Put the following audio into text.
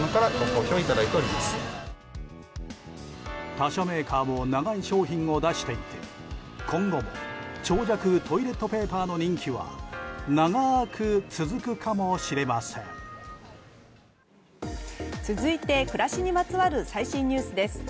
他社メーカーも長い商品を出していて今後も長尺トイレットペーパーの人気は長く続くかもしれません。